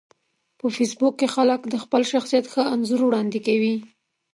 په فېسبوک کې خلک د خپل شخصیت ښه انځور وړاندې کوي